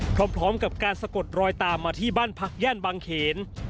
พร้อมกับการสะกดรอยตามมาที่บ้านพักย่านบางเขน